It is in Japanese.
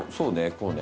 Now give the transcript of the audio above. こうね。